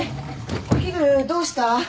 お昼どうした？